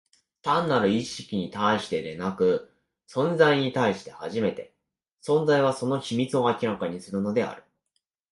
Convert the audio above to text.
単なる意識に対してでなく、存在に対して初めて、存在は、その秘密を明らかにするのである。